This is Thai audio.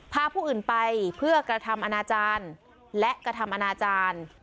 พาผู้อื่นไปเพื่อกระทำอนาจารย์และกระทำอนาจารย์